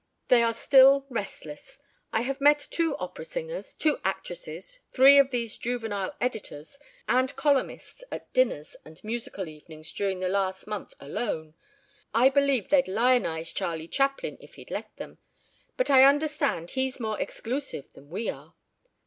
They are still restless. I have met two opera singers, two actresses, three of these juvenile editors and columnists at dinners and musical evenings during the last month alone. I believe they'd lionize Charley Chaplin if he'd let them, but I understand he's more exclusive than we are.